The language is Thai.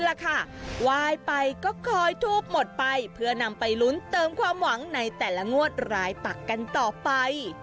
แหละค่ะไหว้ไปก็คอยทูบหมดไปเพื่อนำไปลุ้นเติมความหวังในแต่ละงวดรายปักกันต่อไป